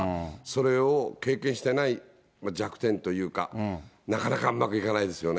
それを経験してない弱点というか、なかなかうまくいかないですよね。